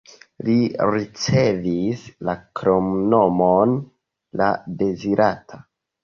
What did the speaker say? Li ricevis la kromnomon "la dezirata".